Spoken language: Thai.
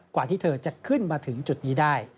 ที่เธอจะขึ้นมาถึงจุดนี้ได้